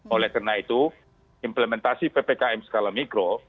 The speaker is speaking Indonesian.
oleh karena itu implementasi ppkm skala mikro